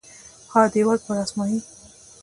ها دیوال پر اسمایي